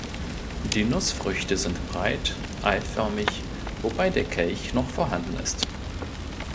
Die Nussfrüchte sind breit eiförmig, wobei der Kelch noch vorhanden ist.